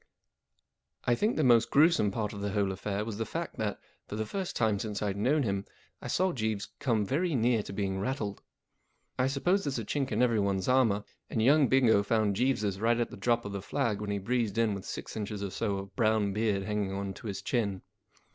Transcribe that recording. And I think the most gruesome part of the whole affair was the fact that, for the first time since I'd known him, I saw Jeeves come very near to being rattled. I suppose there's a chink in everyone's armour, and young Bingo found Jeeves's right at the drop of the flag when he breezed in with six inches or so of brown beard hanging on to his chin.